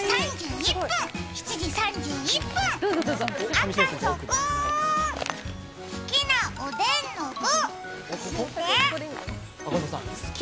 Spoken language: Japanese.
赤楚くーん、好きなおでんの具、教えて。